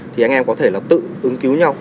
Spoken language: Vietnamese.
thì anh em có thể là tự ứng cứu nhau